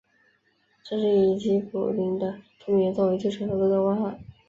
这是以吉卜林的著名原作为基础所做的动画。